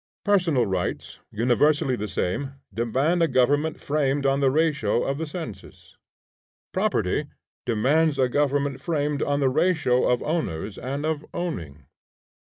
Personal rights, universally the same, demand a government framed on the ratio of the census; property demands a government framed on the ratio of owners and of owning.